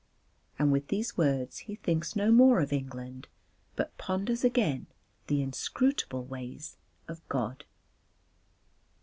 And with these words he thinks no more of England but ponders again the inscrutable ways of God.